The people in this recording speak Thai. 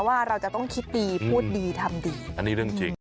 ว่าเราจะต้องคิดดีพูดดีทำดีอันนี้เรื่องจริง